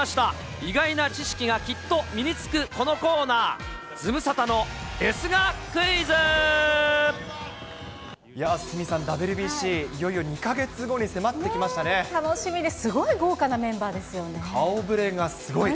意外な知識がきっと身につくこのコーナー、鷲見さん、ＷＢＣ、いよいよ楽しみで、すごい豪華なメン顔ぶれがすごい。